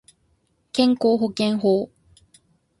健康保険法